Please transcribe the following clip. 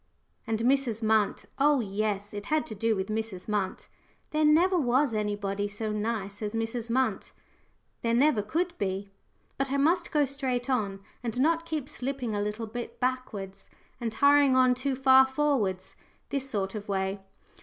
And Mrs. Munt! oh, yes, it had to do with Mrs. Munt. There never was anybody so nice as Mrs. Munt there never could be! But I must go straight on, and not keep slipping a little bit backwards, and hurrying on too far forwards, this sort of way.